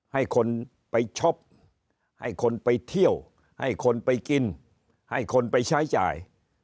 ให้คนไปช็อปให้คนไปเที่ยวให้คนไปกินให้คนไปใช้จ่าย